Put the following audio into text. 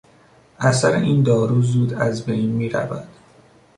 اثر این دارو زود از بین میرود.